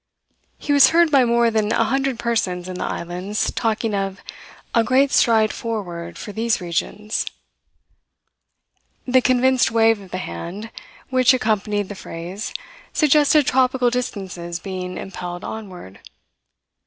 He was heard by more than a hundred persons in the islands talking of a "great stride forward for these regions." The convinced wave of the hand which accompanied the phrase suggested tropical distances being impelled onward.